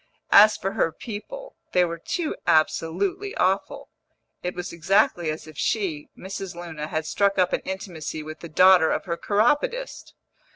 As for her people, they were too absolutely awful; it was exactly as if she, Mrs. Luna, had struck up an intimacy with the daughter of her chiropodist.